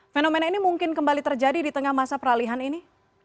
fenomena ini mungkin kembali terjadi di tengah masa peralihan ini